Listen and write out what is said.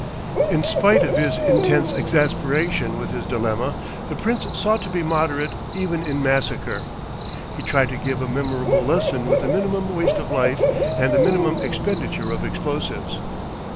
In spite of his intense exasperation with his dilemma, the Prince sought to be moderate even in massacre. He tried to give a memorable lesson with the minimum waste of life and the minimum expenditure of explosives.